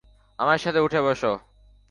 আমার সাথে উঠে বসে?